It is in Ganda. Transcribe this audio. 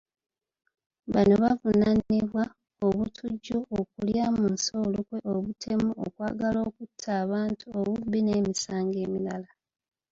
Bano baavunaanibwa; obutujju, okulya mu nsi olukwe, obutemu, okwagala okutta abantu, obubbi n'emisango emirala.